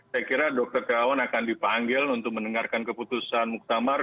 saya kira dr kawan akan dipanggil untuk mendengarkan keputusan muktamar